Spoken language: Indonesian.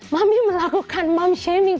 mami melakukan mom shaming